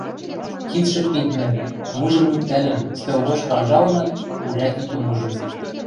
Кидшӹ пидмӹ, вуйжым лӱктӓлӹн, стӧл лошкы анжалынат, урядникӹм ужын.